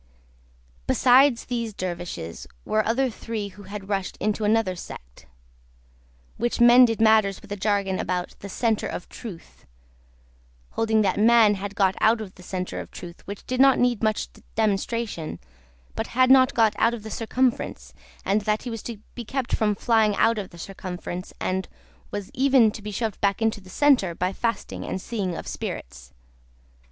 Besides these Dervishes, were other three who had rushed into another sect, which mended matters with a jargon about "the Centre of Truth:" holding that Man had got out of the Centre of Truth which did not need much demonstration but had not got out of the Circumference, and that he was to be kept from flying out of the Circumference, and was even to be shoved back into the Centre, by fasting and seeing of spirits.